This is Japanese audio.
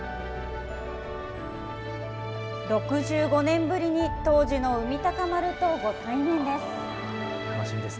６５年ぶりに当時の海鷹丸とご対面です。